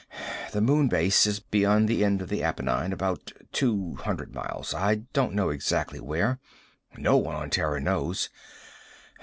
The Moon Base is beyond the end of the Appenine, about two hundred miles. I don't know exactly where. No one on Terra knows.